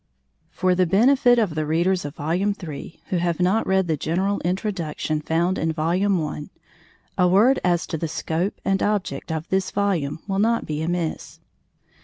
For the benefit of the readers of Vol. III, who have not read the general Introduction found in Vol. I, a word as to the scope and object of this volume will not be amiss.